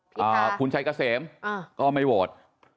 พิทาภูนชัยเกษมก็ไม่โหวต